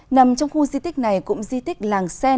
nằm trong khu di tích này cũng di tích làng sen